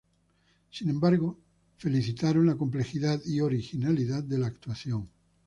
Sin embargo, felicitaron la complejidad y originalidad de la actuación.